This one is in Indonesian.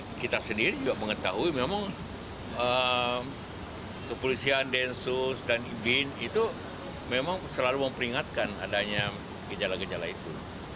nah kita sendiri juga mengetahui memang kepolisian densus dan ibin itu memang selalu memperingatkan adanya gejala gejala itu